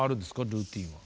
ルーティーンは。